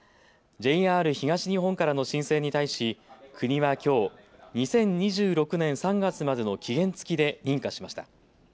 ＪＲ東日本からの申請に対し国はきょう、２０２６年３月までの期限付きで認可しました。